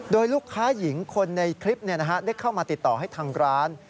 โดยลูกค้าหญิงคนในคลิปได้เข้ามาติดต่อให้ทางร้าน